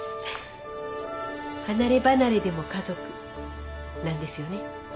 「はなればなれでも家族」なんですよね。